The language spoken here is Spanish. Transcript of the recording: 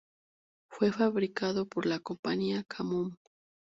Fue fabricado por la compañía Kamov.